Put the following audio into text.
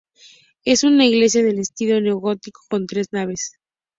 Es una iglesia de estilo neogótico con tres naves.